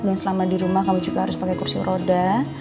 dan selama di rumah kamu juga harus pakai kursi roda